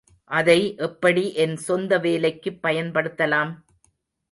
அதை எப்படி என் சொந்த, வேலைக்குப் பயன்படுத்தலாம்?